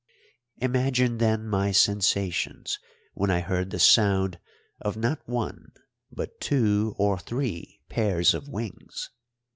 Imagine then my sensations when I heard the sound of not one, but two or three pairs of wings!